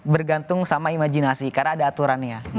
bergantung sama imajinasi karena ada aturannya